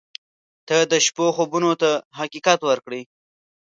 • ته د شپو خوبونو ته حقیقت ورکړې.